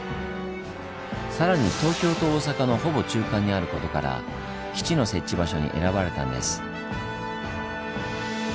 更に東京と大阪のほぼ中間にあることから基地の設置場所に選ばれたんです。